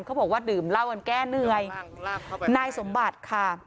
บอกว่าดื่มเหล้ากันแก้เหนื่อยนายสมบัติค่ะ